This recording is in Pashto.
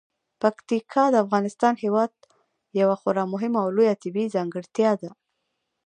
پکتیکا د افغانستان هیواد یوه خورا مهمه او لویه طبیعي ځانګړتیا ده.